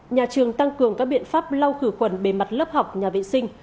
nhà trường tăng cường các biện pháp lau khử khuẩn bề mặt lớp học nhà vệ sinh